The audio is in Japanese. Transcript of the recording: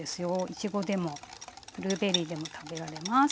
いちごでもブルーベリーでも食べられます。